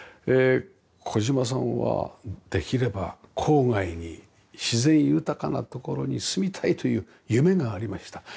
小島さんはできれば郊外に自然豊かな所に住みたいという夢がありました。